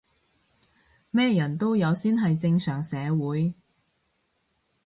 咩人都有先係正常社會